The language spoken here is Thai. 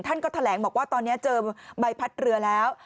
ท่านก็แถลงบอกว่าตอนนี้เจอใบพัดเรือแล้ว